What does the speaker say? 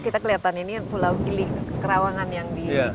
kita kelihatan ini pulau gili kerawangan yang di